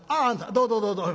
どうぞどうぞ」。